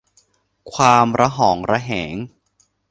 ความระหองระแหง